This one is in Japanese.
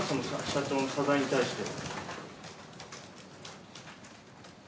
社長の謝罪に対して。